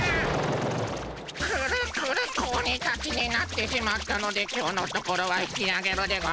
くるくる子鬼たちになってしまったので今日のところは引きあげるでゴンス。